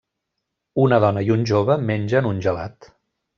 Un dona i un jove mengen un gelat.